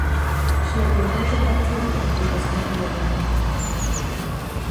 She had been built in Batavia and was on her way to Europe.